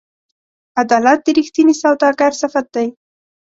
عدالت د رښتیني سوداګر صفت دی.